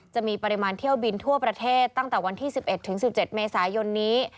จะมีปริมาณเที่ยวบินทั่วประเทศตั้งแต่วันที่๑๑๑๗เมษายนนี้